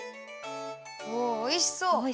おおいしそう。